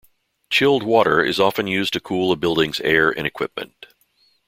Chilled water is often used to cool a building's air and equipment.